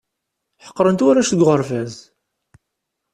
Ḥeqren-t warrac deg uɣerbaz.